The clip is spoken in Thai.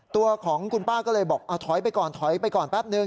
ตัวของคุณป้าก็เลยบอกเอาถอยไปก่อนถอยไปก่อนแป๊บนึ